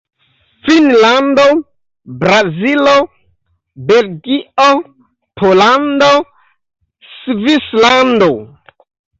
Finnlando, Brazilo, Belgio, Pollando, Svislando.